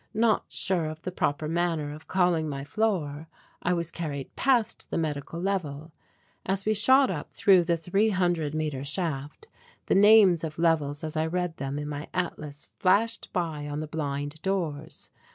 Not sure of the proper manner of calling my floor I was carried past the medical level. As we shot up through the three hundred metre shaft, the names of levels as I had read them in my atlas flashed by on the blind doors.